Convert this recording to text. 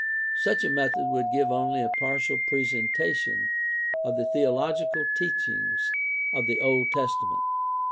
Such a method would give only a partial presenta tion of the theological teachings of the Old Testament.